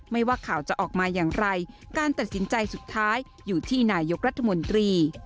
ว่าข่าวจะออกมาอย่างไรการตัดสินใจสุดท้ายอยู่ที่นายกรัฐมนตรี